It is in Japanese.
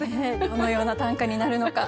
どのような短歌になるのか。